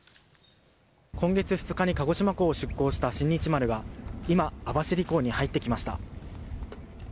今月２日に鹿児島港を出港した「新日丸」は今、網走港に入ってきました。